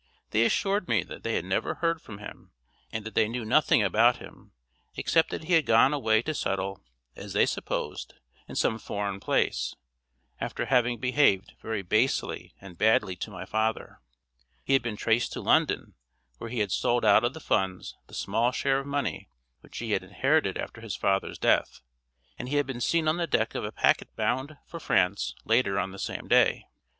They assured me that they had never heard from him, and that they knew nothing about him, except that he had gone away to settle, as they supposed, in some foreign place, after having behaved very basely and badly to my father. He had been traced to London, where he had sold out of the funds the small share of money which he had inherited after his father's death, and he had been seen on the deck of a packet bound for France later on the same day.